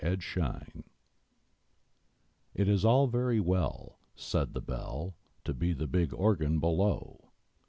'BELL UPON ORGAN. It's all very well, Said the Bell, To be the big Organ below!